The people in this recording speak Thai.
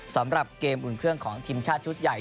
สำหรับเกมอุ่นเครื่องของทีมชาติชุดใหญ่